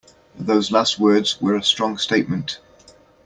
Those last words were a strong statement.